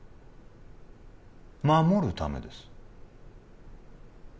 守るためです